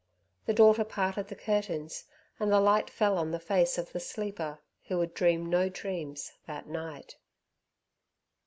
The daughter parted the curtains, and the light fell on the face of the sleeper who would dream no dreams that night.